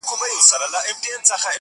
تور تم ته مي له سپیني ورځي بولي غلی غلی٫